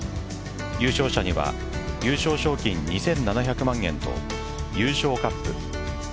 優勝者には優勝賞金２７００万円と優勝カップ。